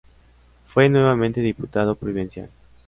Fue nuevamente diputado provincial.